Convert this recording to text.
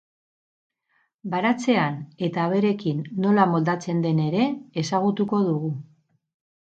Baratzean eta abereekin nola moldatzen den ere ezagutuko dugu.